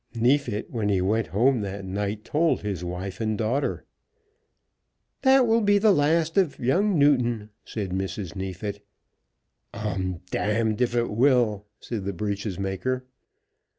Neefit, when he went home that night, told his wife and daughter. "That will be the last of young Newton," said Mrs. Neefit. "I'm d if it will!" said the breeches maker.